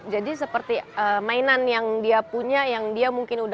jadi seperti mainan yang dia punya yang dia mungkin sudah